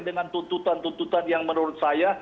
dengan tuntutan tuntutan yang menurut saya